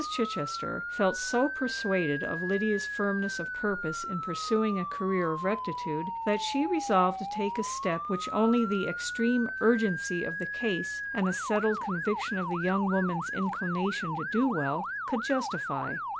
Chichester felt so persuaded of Lydia's firmness of purpose in pursuing a career of rectitude, that she resolved to take a step which only the extreme urgency of the case and a settled conviction of the young woman's inclination to do well, could justify.